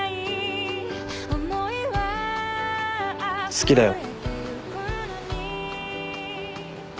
好きだよ。